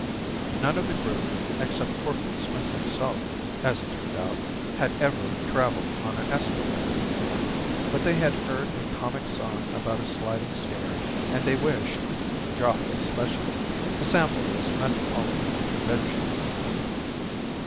None of the group except Corporal Smith himself, as it turned out, had ever travelled on an escalator before. But they had heard a comic song about a sliding stair, and they wished Jock especially to sample this metropolitan invention.